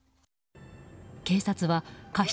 警察は過失